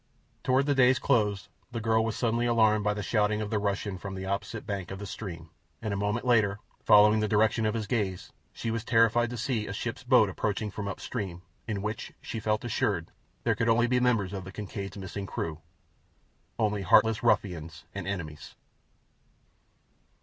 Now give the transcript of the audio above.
Toward the day's close the girl was suddenly alarmed by the shouting of the Russian from the opposite bank of the stream, and a moment later, following the direction of his gaze, she was terrified to see a ship's boat approaching from up stream, in which, she felt assured, there could be only members of the Kincaid's missing crew—only heartless ruffians and enemies.